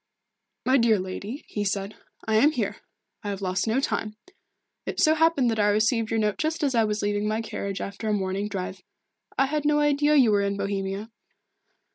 "My dear lady," he said, "I am here. I have lost no time. It so happened that I received your note just as I was leaving my carriage after a morning drive. I had no idea that you were in Bohemia."